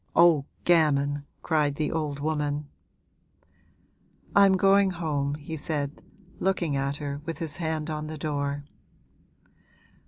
'Oh, gammon!' cried the old woman. 'I'm going home,' he said, looking at her with his hand on the door.